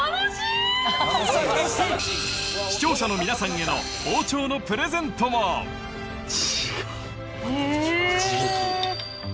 視聴者の皆さんへの包丁のプレゼントもへぇ！